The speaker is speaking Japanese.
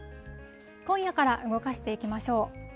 今夜から動かしていきましょう。